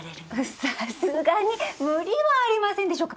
さすがに無理がありませんでしょうか？